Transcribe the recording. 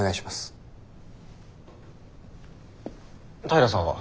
平さんは？